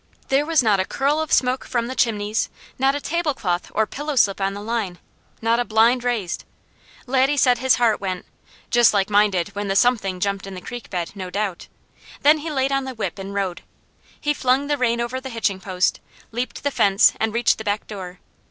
There was not a curl of smoke from the chimneys, not a tablecloth or pillowslip on the line, not a blind raised. Laddie said his heart went just like mine did when the Something jumped in the creek bed, no doubt. Then he laid on the whip and rode. He flung the rein over the hitching post, leaped the fence and reached the back door.